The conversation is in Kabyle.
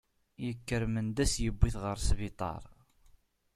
Yekker Mendas yewwi-t ɣer sbiṭar.